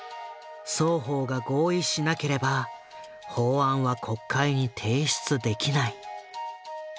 双方が合意しなければ法案は国会に提出できない。